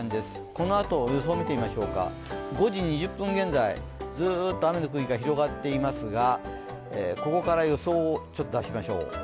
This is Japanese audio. このあと、予想を見てみましょうか５時２０分現在、ずっと雨の区域が広がっていますが、ここから予想を出しましょう。